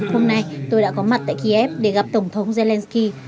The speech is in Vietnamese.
hôm nay tôi đã có mặt tại kiev để gặp tổng thống zelensky